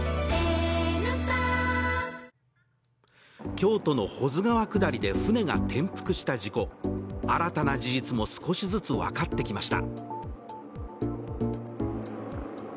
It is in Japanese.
京都の保津川下りで舟が転覆した事故、新たな事実も少しずつ分かってきました。